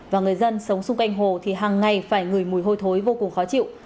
và người dân sống xung quanh hồ thì hàng ngày phải ngửi mùi hôi thối vô cùng khó chịu